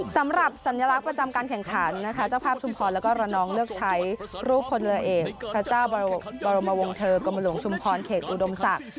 สำหรับสัญลักษณ์ประจำการแข่งขันนะคะเจ้าภาพชุมพรแล้วก็ระนองเลือกใช้รูปพลเรือเอกพระเจ้าบรมวงเทอร์กรมหลวงชุมพรเขตอุดมศักดิ์